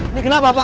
ini kenapa pak